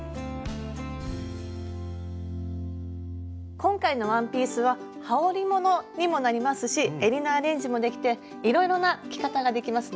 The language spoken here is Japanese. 今回のワンピースははおりものにもなりますしえりのアレンジもできていろいろな着方ができますね。